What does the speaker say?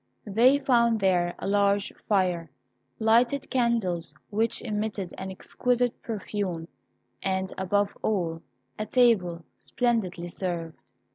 They found there a large fire, lighted candles which emitted an exquisite perfume, and, above all, a table splendidly served.